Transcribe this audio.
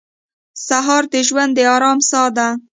سهار د ژوند د ارام ساه ده.